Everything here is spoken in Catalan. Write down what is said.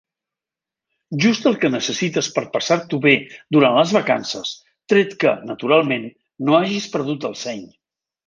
Just el que necessites per passar-t'ho bé durant les vacances, tret que, naturalment, no hagis perdut el seny.